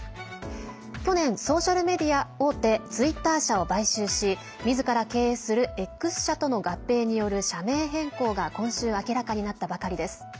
去年、ソーシャルメディア大手ツイッター社を買収しみずから経営するＸ社との合併による社名変更が今週、明らかになったばかりです。